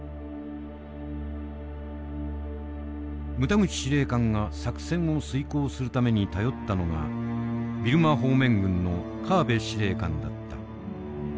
牟田口司令官が作戦を遂行するために頼ったのがビルマ方面軍の河辺司令官だった。